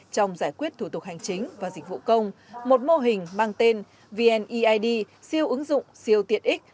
trong giải quyết thủ tục hành chính và dịch vụ công một mô hình mang tên vneid siêu ứng dụng siêu tiện ích